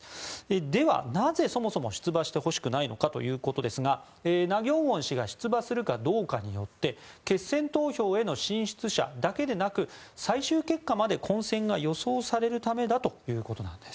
ではなぜそもそも出馬してほしくないのかということですがナ・ギョンウォン氏が出馬するかどうかによって決選投票への進出者だけでなく最終結果まで混戦が予想されるためだということです。